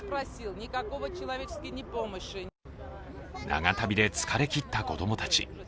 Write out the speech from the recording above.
長旅で疲れきった子供たち。